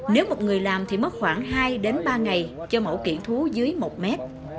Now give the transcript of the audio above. nếu một người làm thì mất khoảng hai đến ba ngày cho mẫu kiển thú dưới một mét